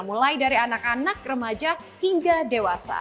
mulai dari anak anak remaja hingga dewasa